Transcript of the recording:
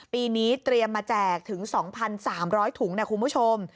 ปีนี้เตรียมมาแจกถึง๒๓๐๐ถุงนะคุณผู้ชม